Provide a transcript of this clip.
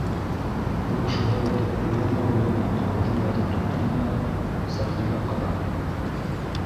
Ул шулай итеп уйлана-уйлана ҡағыҙын яҙып туҡтаны ла, Сәғдигә ҡарап: